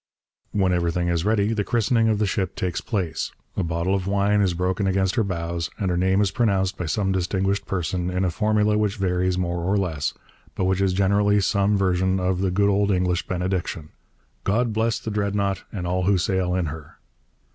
When everything is ready, the christening of the ship takes place. A bottle of wine is broken against her bows and her name is pronounced by some distinguished person in a formula which varies more or less, but which is generally some version of the good old English benediction: 'God bless the Dreadnought and all who sail in her.'